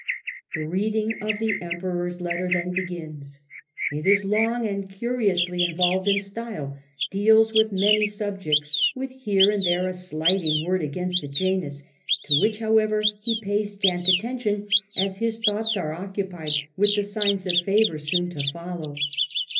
The reading of the Em^ peror's letter then begins. It is long and curiously involved in style, deals with many subjects, with here and there a slighting word against Sejanus, to which, however, he pays scant attention, as his thoughts are occupied with the signs of favour soon to follow.